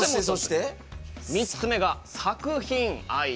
そして、３つ目が作品愛。